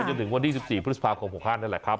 จนถึงวันที่๑๔พฤษภาคม๖๕นั่นแหละครับ